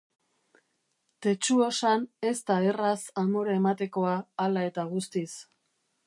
Tetsuo san ez da erraz amore ematekoa, hala eta guztiz.